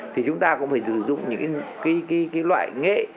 thì chúng ta cũng phải sử dụng những loại nghệ